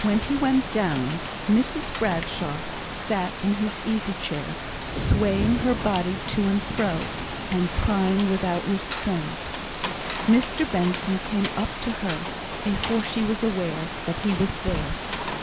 When he went down, Mrs Bradshaw sat in his easy chair, swaying her body to and fro, and crying without restraint. Mr Benson came up to her, before she was aware that he was there.